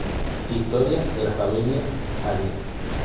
Historia de la Familia París.